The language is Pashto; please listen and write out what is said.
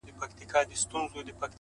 زما کار نسته بُتکده کي؛ تر کعبې پوري ـ